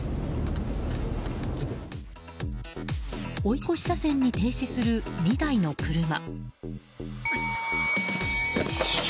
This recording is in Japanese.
追い越し車線に停止する２台の車。